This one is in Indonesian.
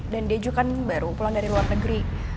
dan dia juga kan baru pulang dari luar negeri